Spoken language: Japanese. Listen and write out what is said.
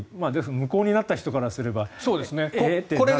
無効になった人からすればえーという話ですが。